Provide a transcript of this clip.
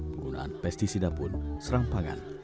penggunaan pesticida pun serampangan